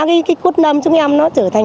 cái quất lâm chúng em nó trở thành